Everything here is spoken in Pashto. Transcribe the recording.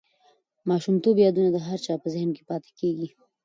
د ماشومتوب یادونه د هر چا په زهن کې پاتې کېږي.